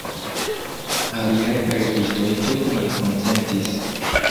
Aliaj verkistoj tute malkonsentis.